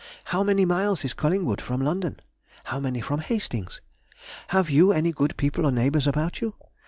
How many miles is Collingwood from London? How many from Hastings? Have you any good people or neighbours about you?